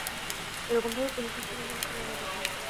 এরকম ভাবে পুলিশ আসতে কিন্তু আমি সিনেমায় দেখি নি।